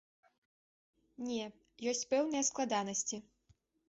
Не, ёсць пэўныя складанасці.